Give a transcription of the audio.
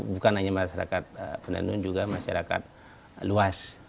bukan hanya masyarakat penenun juga masyarakat luas